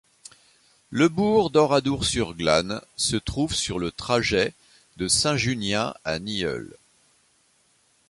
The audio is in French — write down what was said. Le bourg d'Oradour-sur-Glane se trouve sur le trajet de Saint-Junien à Nieul.